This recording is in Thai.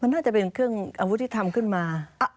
น่าจะเป็นเครื่องอาวุธที่ทำขึ้นมา